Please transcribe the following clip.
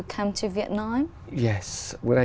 khi các bạn đến việt nam không